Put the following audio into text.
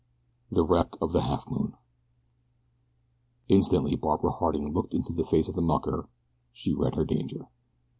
THE WRECK OF THE "HALFMOON" INSTANTLY Barbara Harding looked into the face of the mucker she read her danger.